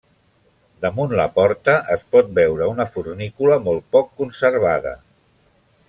Damunt la porta es pot veure una fornícula molt poc conservada.